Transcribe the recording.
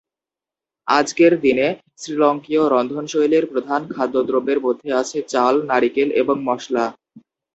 আজকের দিনে শ্রীলংকীয় রন্ধনশৈলীর প্রধান খাদ্য দ্রব্যের মধ্যে আছে চাল, নারিকেল এবং মশলা।